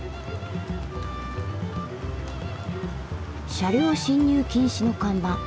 車両進入禁止の看板。